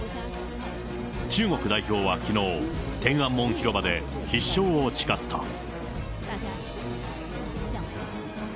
中国代表はきのう、天安門広場で、必勝を誓った。